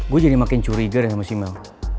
gue jadi makin curiga deh sama si mel